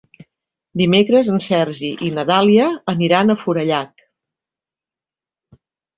Dimecres en Sergi i na Dàlia aniran a Forallac.